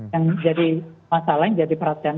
yang jadi masalah yang jadi perhatian